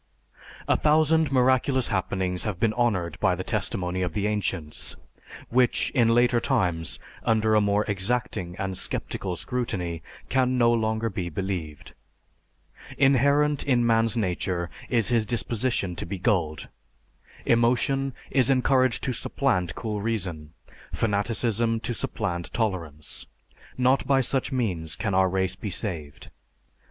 _A thousand miraculous happenings have been honoured by the testimony of the ancients, which in later times under a more exacting and sceptical scrutiny can no longer be believed. Inherent in man's nature is his disposition to be gulled.... Emotion is encouraged to supplant cool reason, fanaticism to supplant tolerance. Not by such means can our race be saved_.